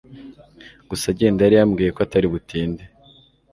gusa agenda yari yambwiye ko atari butinde